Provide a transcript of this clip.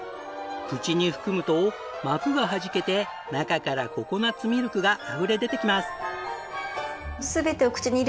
口に含むと膜がはじけて中からココナッツミルクがあふれ出てきます。